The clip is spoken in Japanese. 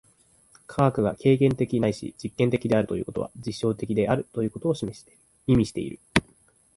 科学が経験的ないし実験的であるということは、実証的であることを意味している。